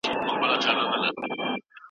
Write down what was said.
زه اوسمهال په غونډه کي خپل اندونه بیانوم.